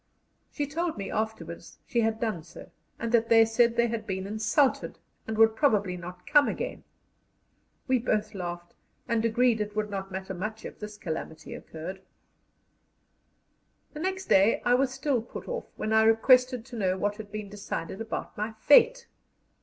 She told me afterwards she had done so, and that they said they had been insulted, and would probably not come again. We both laughed, and agreed it would not matter much if this calamity occurred. The next day I was still put off, when I requested to know what had been decided about my fate.